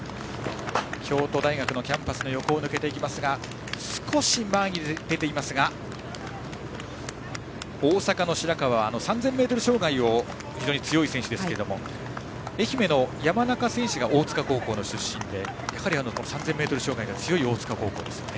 京都大学のキャンパスの横を抜けていきますが少し前に出ていますが大阪の白川は３０００ｍ障害で非常に強い選手ですけども愛媛の山中選手が大塚高校の出身で３０００ｍ障害が強い大塚高校です。